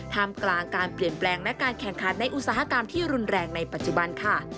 มกลางการเปลี่ยนแปลงและการแข่งขันในอุตสาหกรรมที่รุนแรงในปัจจุบันค่ะ